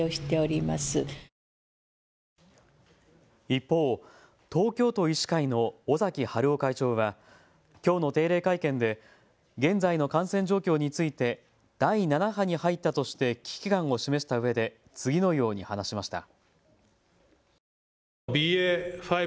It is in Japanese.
一方、東京都医師会の尾崎治夫会長はきょうの定例会見で現在の感染状況について第７波に入ったとして危機感を示したうえで次のように話しました。